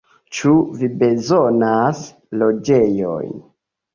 Ĉu vi bezonas loĝejon?